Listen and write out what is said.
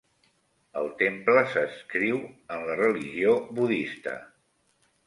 El temple s'adscriu en la religió budista.